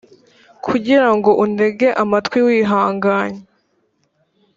kugira ngo untege amatwi wihanganye